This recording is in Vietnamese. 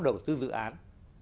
đầu tư dự án